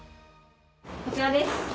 こちらです。